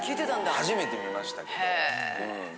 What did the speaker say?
初めて見ましたけど。